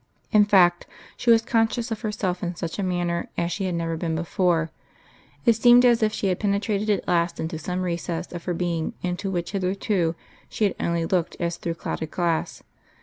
In fact, she was conscious of herself in such a manner as she had never been before; it seemed as if she had penetrated at last into some recess of her being into which hitherto she had only looked as through clouded glass.